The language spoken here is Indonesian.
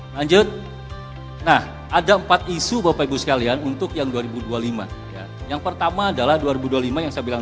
lanjut nah ada empat isu bapak ibu sekalian untuk yang dua ribu dua puluh lima yang pertama adalah dua ribu dua puluh lima yang saya bilang